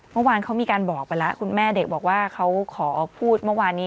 เมื่อวานเขามีการบอกไปแล้วคุณแม่เด็กบอกว่าเขาขอพูดเมื่อวานนี้